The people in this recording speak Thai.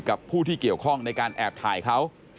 ผู้ที่เกี่ยวข้องในการแอบถ่ายเขา